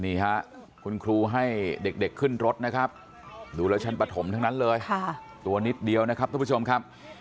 นี่ฮะคุณครูให้เด็กขึ้นรถนะครับดูแล้วชั้นปฐมทั้งนั้นเลยตัวนิดเดียวนะครับทุกผู้ชมครับ